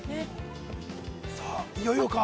◆さあ、いよいよか。